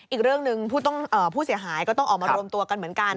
อีกเรื่องหนึ่งผู้เสียหายก็ต้องออกมารวมตัวกันเหมือนกัน